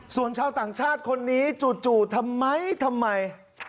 ส่วนชาวต่างชาติคนนี้จู่ทำไมทำไม